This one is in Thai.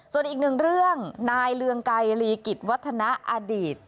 ส่วนอีกหนึ่งเรื่องนายเรืองไกรลีกิจวัฒนาอดีต